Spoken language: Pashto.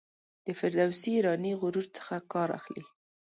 د فردوسي ایرانی غرور څخه کار اخلي.